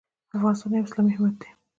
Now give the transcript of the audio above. افغانستان یو اسلامي هیواد دی